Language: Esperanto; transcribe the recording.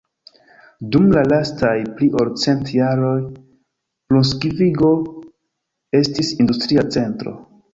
Dum la lastaj pli ol cent jaroj Brunsvigo estis industria centro.